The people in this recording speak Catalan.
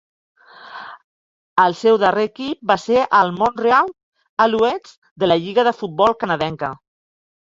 El seu darrer equip va ser el Montreal Alouettes de la Lliga de futbol canadenca.